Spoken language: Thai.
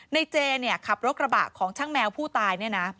เจเนี่ยขับรถกระบะของช่างแมวผู้ตายเนี่ยนะ